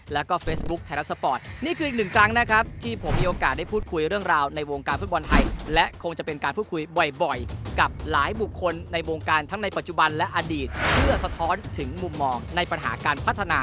เล่นเอเซียได้กี่คน